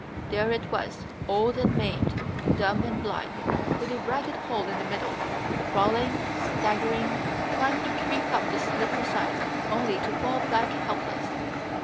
There it was, old and maimed, dumb and blind, with a ragged hole in the middle, crawling, staggering, trying to creep up the slippery sides, only to fall back helpless.